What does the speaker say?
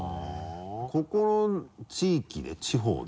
ここの地域で地方で。